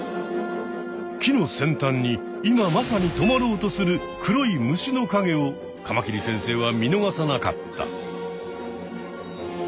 木の先端に今まさにとまろうとする黒い虫のかげをカマキリ先生は見逃さなかった。